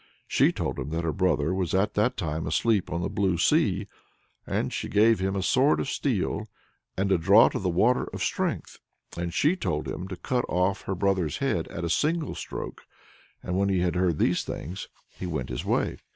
She told him that her brother was at that time asleep on the blue sea, and she gave him a sword of steel and a draught of the Water of Strength, and she told him to cut off her brother's head at a single stroke. And when he had heard these things, he went his way.